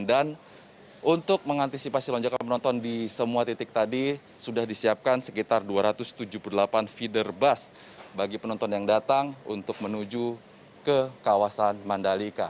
dan untuk mengantisipasi lonjakan penonton di semua titik tadi sudah disiapkan sekitar dua ratus tujuh puluh delapan feeder bus bagi penonton yang datang untuk menuju ke kawasan mandalika